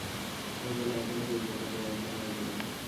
আমাদের লাঞ্ছনাকে ইজ্জতে পরিণত করে দিলেন।